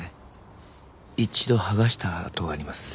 １度はがした跡があります。